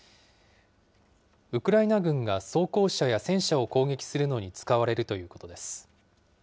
ウクライナ軍が装甲車や戦車を攻撃するのに使われるということです。